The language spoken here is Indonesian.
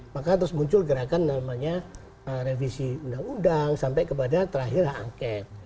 maka terus muncul gerakan namanya revisi undang undang sampai kepada terakhir hak angket